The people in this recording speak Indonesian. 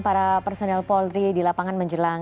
para personel poldri di lapangan